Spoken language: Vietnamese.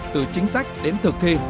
từ chính sách đến thực thi